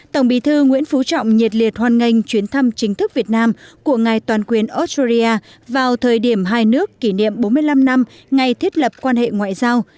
tổng bí thư nguyễn phú trọng nhiệt liệt hoan nghênh chuyến thăm chính thức việt nam của ngài toàn quyền australia vào thời điểm hai nước kỷ niệm bốn mươi năm năm ngày thiết lập quan hệ ngoại giao